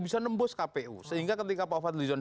bisa nembus kpu sehingga ketika pak ofat lijon